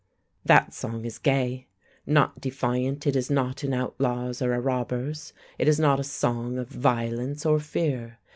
That song is gay, not defiant it is not an outlaw's or a robber's, it is not a song of violence or fear.